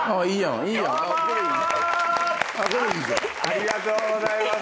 ありがとうございます。